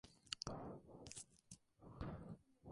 Se basa en la desigualdad de Harnack del mismo autor.